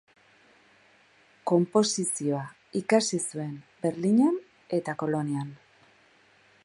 Konposizioa ikasi zuen Berlinen eta Kolonian.